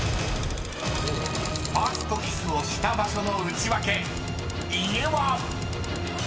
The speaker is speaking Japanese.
［ファーストキスをした場所のウチワケ家は⁉］